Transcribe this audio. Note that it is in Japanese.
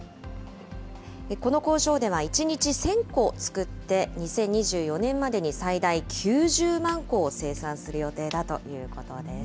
この工場では１日１０００個作って、２０２４年までに最大９０万個を生産する予定だということです。